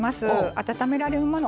温められるもの。